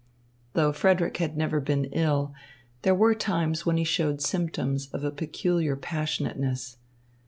Though Frederick had never been ill, there were times when he showed symptoms of a peculiar passionateness.